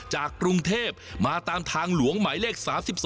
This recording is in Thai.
จากกรุงเทพมาตามทางหลวงหมายเลข๓๒